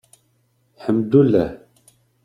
Ḥemddulah.